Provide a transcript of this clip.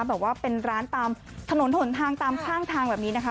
บอกว่าเป็นร้านตามถนนหนทางตามข้างทางแบบนี้นะคะ